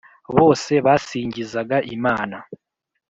bose basingizaga Imana